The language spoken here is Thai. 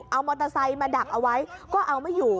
เอามอเตอร์ไซค์มาดักเอาไว้ก็เอาไม่อยู่